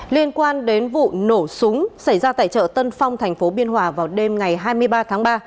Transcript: liên quan đến vụ nổ súng xảy ra tại chợ tân phong tp biên hòa vào đêm ngày hai mươi ba tháng ba